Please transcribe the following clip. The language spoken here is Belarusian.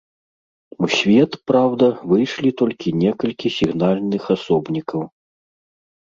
У свет, праўда, выйшлі толькі некалькі сігнальных асобнікаў.